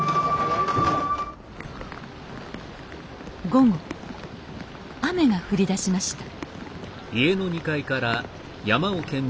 午後雨が降りだしました